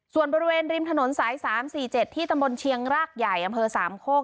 ส่วนบริเวณริมถนนสาย๓๔๗ที่ตำบลเชียงรากใหญ่อำเภอสามโคก